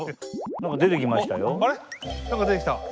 何か出てきた。